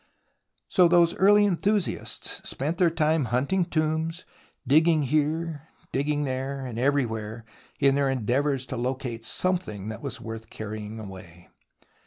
So those early enthusiasts spent their time hunting tombs, digging here, there and everywhere in their endeavours to locate something that was worth carrying away.